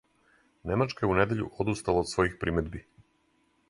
Немачка је у недељу одустала од својих примедби.